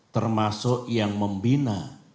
termasuk yang membina